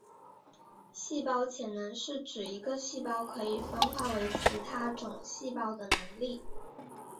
细胞潜能是指一个细胞可以分化为其他种细胞的能力。